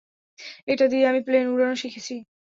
এটা দিয়েই আমি প্লেন উড়ানো শিখেছি।